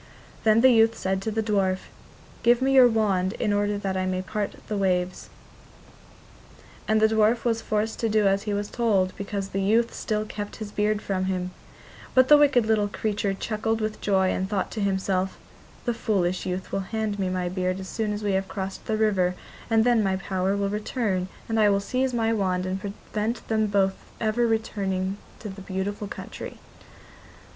Then the youth said to the dwarf: 'Give me your wand in order that I may part the waves.' And the dwarf was forced to do as he was told because the youth still kept his beard from him; but the wicked little creature chuckled with joy and thought to himself: 'The foolish youth will hand me my beard as soon as we have crossed the river, and then my power will return, and I will seize my wand and prevent them both ever returning to their beautiful country.